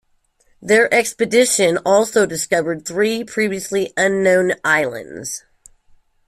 Their expedition also discovered three previously unknown islands.